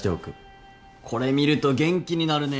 これ見ると元気になるね！